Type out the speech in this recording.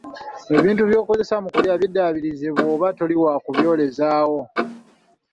Ebintu by‘oba okozesezza mu kulya biddaabirize bw‘oba toli wa kuby‘olezaawo.